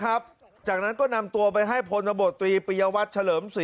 หาวหาวหาวหาวหาวหาวหาวหาวหาวหาว